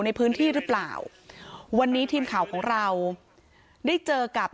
ในพื้นที่หรือเปล่าวันนี้ทีมข่าวของเราได้เจอกับ